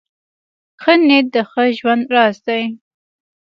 ښه نیت د ښه ژوند راز دی .